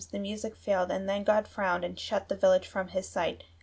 The music failed, and then God frowned, and shut the village from His sight.